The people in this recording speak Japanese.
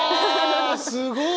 あすごい！